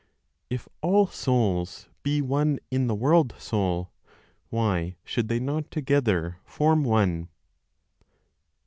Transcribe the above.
IF ALL SOULS BE ONE IN THE WORLD SOUL, WHY SHOULD THEY NOT TOGETHER FORM ONE?